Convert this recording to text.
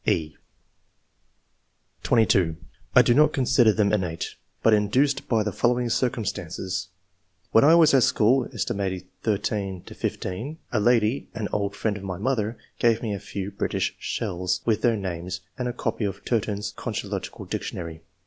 (e) (22) "I do not consider them innate, but induced by the following circumstances :— ^When I was at school, set. 13 15, a lady, an old friend of my mother, gave me a few British shells, with their names, and a copy of *Turton's Concho logical Dictionary.'